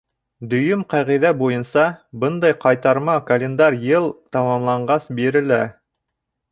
Дөйөм ҡағиҙә буйынса, бындай ҡайтарма календарь йыл тамамланғас бирелә.